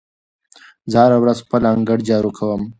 زه هره ورځ خپل انګړ جارو کوم.